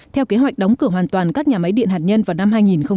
theo kế hoạch đóng cửa hoàn toàn các nhà máy điện hạt nhân vào năm hai nghìn hai mươi